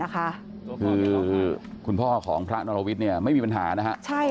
คือคุณพ่อของพระนรวิทย์ไม่มีปัญหานะครับ